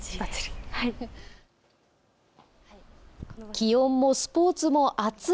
気温もスポーツもアツい